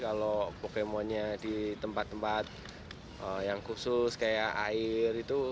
kalau pokemonnya di tempat tempat yang khusus kayak air itu